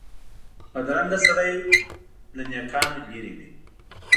بدرنګه سړی له نېکانو لرې وي